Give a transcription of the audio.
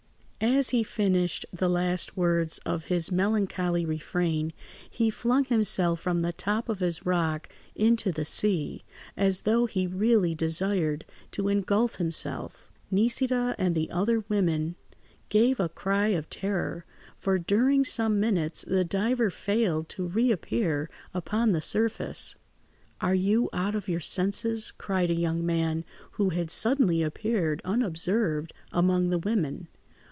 As he finished the last words of his melancholy refrain, he flung himself from the top of his rock into the sea, as though he really desired to engulf himself. Nisida and the other women gave a cry of terror, for during some minutes the diver failed to reappear upon the surface. "Are you out of your senses?" cried a young man who had suddenly appeared, unobserved among the women.